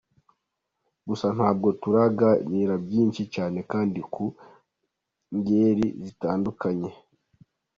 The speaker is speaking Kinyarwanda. Gusa ntabwo turagira byinshi cyane kandi ku ngeri zitandukanye.